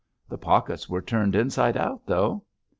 'The pockets were turned inside out, though.'